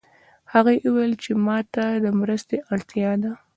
هغې وویل چې ما ته د مرستې اړتیا ده